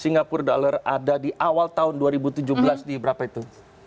singapura dollar ada di awal tahun dua ribu tujuh belas di berapa itu